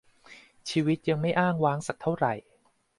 ชีวิตยังไม่อ้างว้าง สักเท่าไร